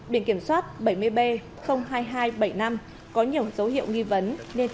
biển kiểm soát bảy mươi b hai mươi hai bảy mươi năm có nhiều dấu hiệu nghi vấn